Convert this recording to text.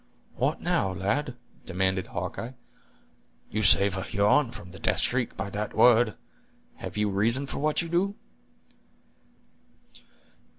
"What, now, lad?" demanded Hawkeye; "you save a Huron from the death shriek by that word; have you reason for what you do?"